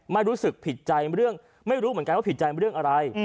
ไม่รู้สึกผิดใจเรื่องไม่รู้เหมือนกันว่าผิดใจเรื่องอะไร